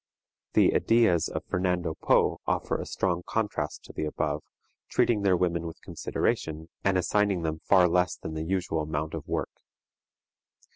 The Edeeyahs of Fernando Po offer a strong contrast to the above, treating their women with consideration, and assigning them far less than the usual amount of work.